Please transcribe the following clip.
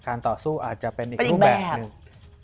ต่อสู้อาจจะเป็นอีกรูปแบบหนึ่ง